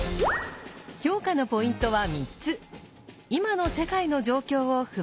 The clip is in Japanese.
評価のポイントは３つ。